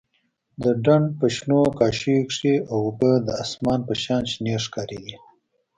د ډنډ په شنو کاشيو کښې اوبه د اسمان په شان شنې ښکارېدې.